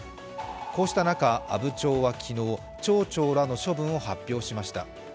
こうした中、阿武町は昨日町長らの処分を発表しました。